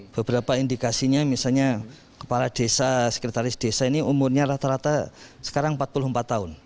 beberapa indikasinya misalnya kepala desa sekretaris desa ini umurnya rata rata sekarang empat puluh empat tahun